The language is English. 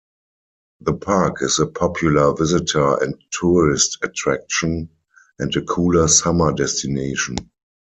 The park is a popular visitor and tourist attraction, and a cooler summer destination.